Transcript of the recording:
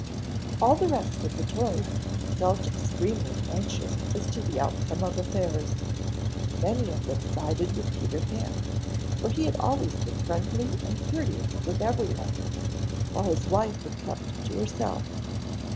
All the rest of the toys felt extremely anxious as to the outcome of affairs. Many of them sided with Peter Pan, for he had always been friendly and courteous with everyone, while his wife had kept, to herself.